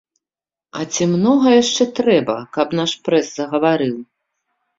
А ці многа яшчэ трэба, каб наш прэс загаварыў?